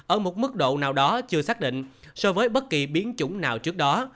ở một mức độ nào đó chưa xác định so với bất kỳ biến chủng nào trước đó